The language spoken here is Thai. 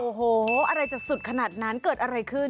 โอ้โหอะไรจะสุดขนาดนั้นเกิดอะไรขึ้น